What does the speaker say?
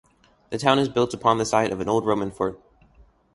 The town is built upon the site of an old Roman fort.